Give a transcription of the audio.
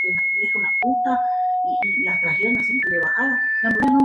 Además se remezcla la canción "Imágenes Paganas", con una mejor calidad de sonido.